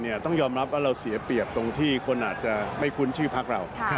ต้องยอมรับว่าเราเสียเปรียบตรงที่คนอาจจะไม่คุ้นชื่อพักเรา